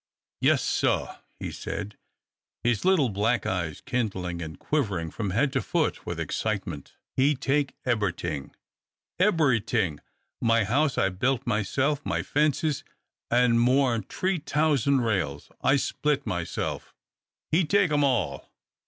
"Yes, sah!" he said, his little black eyes kindling, and quivering from head to foot with excitement. "He take ebry t'ing, ebry t'ing, my house I built myself, my fences, and more'n t'ree t'ousand rails I split myself: he take 'em all!"